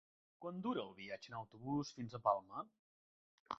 Quant dura el viatge en autobús fins a Palma?